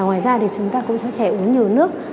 ngoài ra thì chúng ta cũng cho trẻ uống nhiều nước